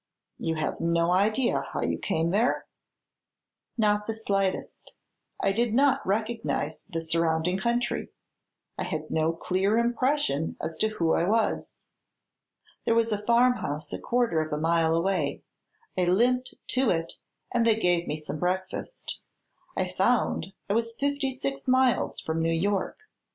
"You have no idea how you came there?" "Not the slightest. I did not recognize the surrounding country; I had no clear impression as to who I was. There was a farmhouse a quarter of a mile away; I limped to it and they gave me some breakfast. I found I was fifty six miles from New York.